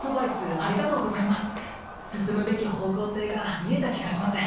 ありがとうございます進むべき方向性が見えた気がします